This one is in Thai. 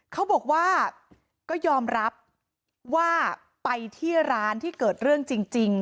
เขาบอกว่าก็ยอมรับว่าไปที่ร้านที่เกิดเรื่องจริง